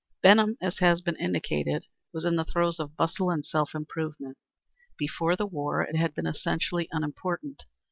Benham, as has been indicated, was in the throes of bustle and self improvement. Before the war it had been essentially unimportant.